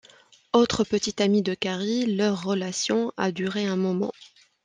Autre petit-ami de Carrie, leur relation a duré un moment.